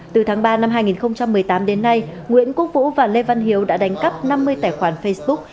từ tháng ba năm hai nghìn một mươi tám đến nay nguyễn quốc vũ và lê văn hiếu đã đánh cắp năm mươi tài khoản facebook